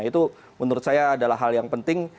itu menurut saya adalah hal yang penting